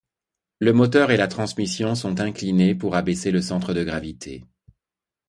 Le moteur et la transmission sont inclinés pour abaisser le centre de gravité.